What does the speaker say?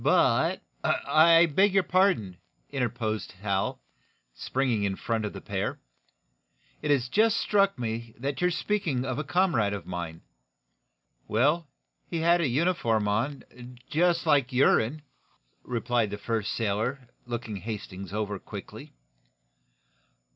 "But " "I beg your pardon," interposed Hal, springing in front of the pair. "It has just struck me that you are speaking of a comrade of mine." "Well, he had a uniform on, just like your'n, replied the first sailor, looking Hal Hastings over quickly.